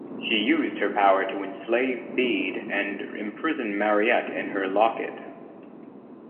She used her power to enslave Bede and imprison Mariette in her locket.